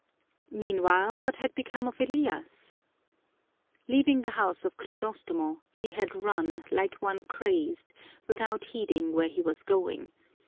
Meanwhile, what had become of Elias? Leaving the house of Crisostomo, he had run like one crazed, without heeding where he was going.